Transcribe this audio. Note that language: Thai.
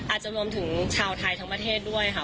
อาจจะรวมถึงชาวไทยทั้งประเทศด้วยค่ะ